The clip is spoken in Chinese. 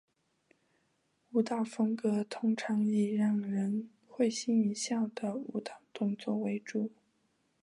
舞蹈风格通常以让人会心一笑的舞蹈动作为主。